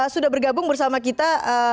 sudah bergabung bersama kita